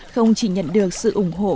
không chỉ nhận được sự ủng hộ